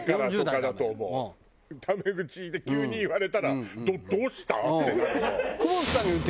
タメ口で急に言われたら「どどうした？」ってなるわ。